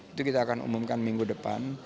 itu kita akan umumkan minggu depan